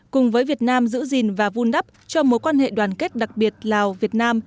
cùng với việt nam giữ gìn và vun đắp cho mối quan hệ đoàn kết đặc biệt lào việt nam